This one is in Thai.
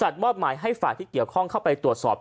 มอบหมายให้ฝ่ายที่เกี่ยวข้องเข้าไปตรวจสอบ